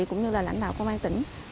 cũng như là lãnh đạo công an tỉnh